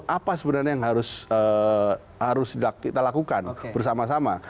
apa sebenarnya yang harus kita lakukan bersama sama